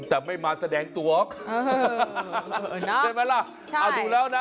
แต่ไม่มาแสดงตัวเออเนอะใช่ไหมล่ะใช่ถูกแล้วนะ